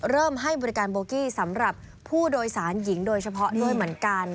ให้บริการโบกี้สำหรับผู้โดยสารหญิงโดยเฉพาะด้วยเหมือนกัน